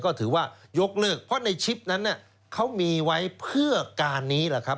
ก็ถือว่ายกเลิกเพราะในชิปนั้นเขามีไว้เพื่อการนี้แหละครับ